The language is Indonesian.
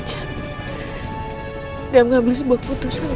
lagi lagi yang punya cinta yang sangat besar mas